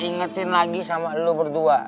gue ingetin lagi sama lo berdua